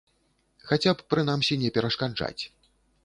Хаця б, прынамсі, не перашкаджаць.